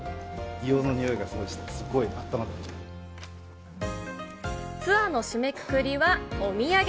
硫黄のにおいがすごいして、ツアーの締めくくりはお土産。